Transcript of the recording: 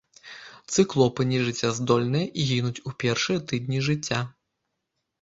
Цыклопы нежыццяздольныя і гінуць у першыя тыдні жыцця.